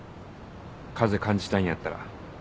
風感じたいんやったら。